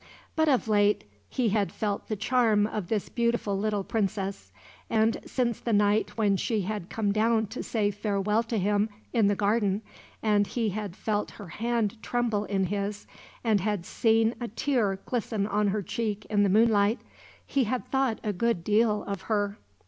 But of late he had felt the charm of this beautiful little princess; and since the night when she had come down to say farewell to him, in the garden, and he had felt her hand tremble in his, and had seen a tear glisten on her cheek in the moonlight, he had thought a good deal of her.